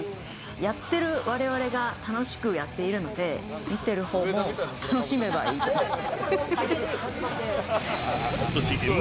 やってるわれわれが楽しくやっているので、見てるほうも楽しめばいいと思う。